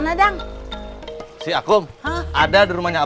saya tidak ada yang menguruskan